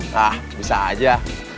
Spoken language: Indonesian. nah bisa aja